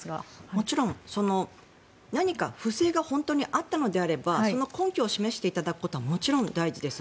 もちろん何か不正が本当にあったのであればその根拠を示していただくことはもちろん大事です。